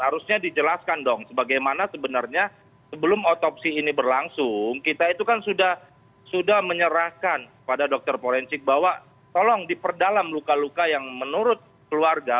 harusnya dijelaskan dong sebagaimana sebenarnya sebelum otopsi ini berlangsung kita itu kan sudah menyerahkan pada dokter forensik bahwa tolong diperdalam luka luka yang menurut keluarga